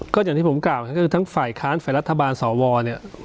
ก็อย่างที่ผมกล่าวก็คือทั้งฝ่ายค้านฝ่ายรัฐบาลสวเนี่ย